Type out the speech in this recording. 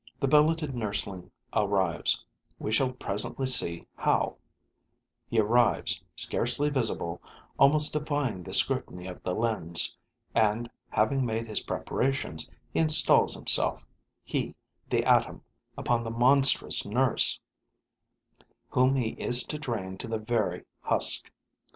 The billeted nursling arrives, we shall presently see how; he arrives, scarcely visible, almost defying the scrutiny of the lens; and, having made his preparations, he installs himself, he, the atom, upon the monstrous nurse, whom he is to drain to the very husk.